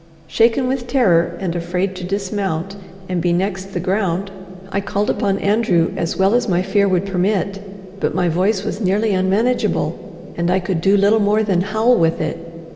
Shaken with terror, and afraid to dismount and be next the ground, I called upon Andrew as well as my fear would permit; but my voice was nearly unmanageable, and I could do little more than howl with it.